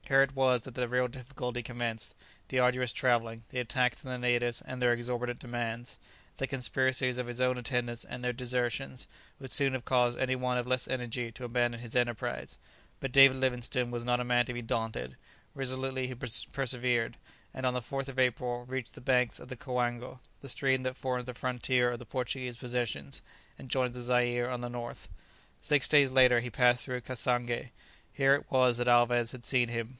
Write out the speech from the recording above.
Here it was that the real difficulty commenced; the arduous travelling, the attacks of the natives, and their exorbitant demands, the conspiracies of his own attendants and their desertions, would soon have caused any one of less energy to abandon his enterprise; but David Livingstone was not a man to be daunted; resolutely he persevered, and on the 4th of April reached the banks of the Coango, the stream that forms the frontier of the Portuguese possessions, and joins the Zaire on the north. Six days later he passed through Cassangé. Here it was that Alvez had seen him.